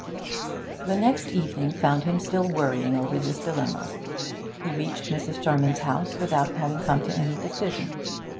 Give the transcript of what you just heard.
The next evening found him still worrying over this dilemma. He reached Mrs. Charman's house without having come to any decision.